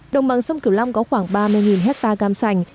đồng bằng sông cửu long có khoảng ba mươi hectare cam sành